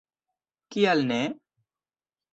Kial ne?!